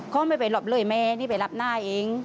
เขาไม่ไปหรอกเลยแม่นี่ไปรับหน้าเอง